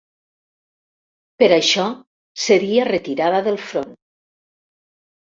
Per això, seria retirada del front.